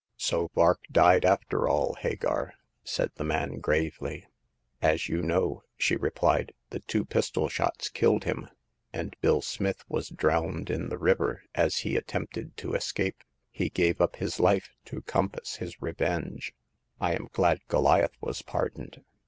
So Vark died, after all, Hagar," said the man, gravely. *' As you know," she replied, *'the two pistol shots killed him ; and Bill Smith was drowned in the river as he attempted to escape. He gave up his life to compass his revenge." I am glad Goliath was pardoned."